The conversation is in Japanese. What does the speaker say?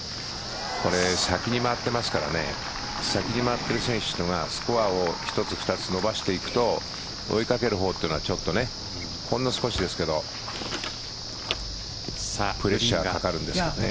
これ、先に回ってますから先に回っている選手がスコアを１つ、２つ伸ばしていくと追いかけるほうというのはほんの少しですけどプレッシャーがかかるんですよね。